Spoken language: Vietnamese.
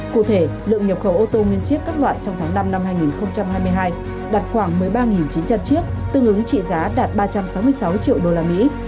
cụ thể lượng nhập khẩu ô tô nguyên chiếc các loại trong tháng năm năm hai nghìn hai mươi hai đạt khoảng một mươi ba chín trăm linh chiếc tương ứng trị giá đạt ba trăm sáu mươi sáu triệu đô la mỹ